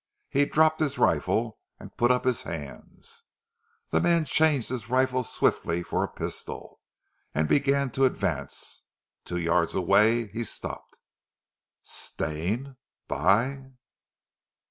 He dropped his rifle and put up his hands. The man changed his rifle swiftly for a pistol, and began to advance. Two yards away he stopped. "Stane! by